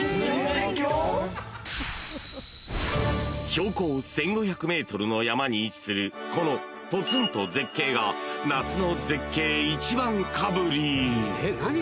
［標高１，５００ｍの山に位置するこのポツンと絶景が夏の絶景１番かぶり］